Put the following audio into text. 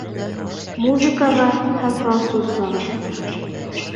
—Музыкаға һәм французсаға.